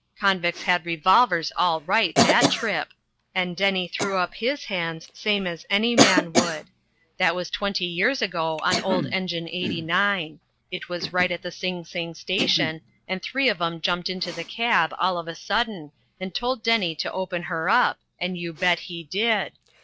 "Convicts had revolvers all right that trip, and Denny threw up his hands same as any man would. That was twenty years ago, on old engine 89. It was right at the Sing Sing station, and three of 'em jumped into the cab all of a sudden and told Denny to open her up, and you bet he did.